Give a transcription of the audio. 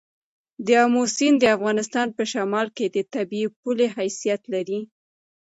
د آمو سیند د افغانستان په شمال کې د طبیعي پولې حیثیت لري.